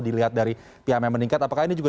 dilihat dari pihak yang meningkat apakah ini juga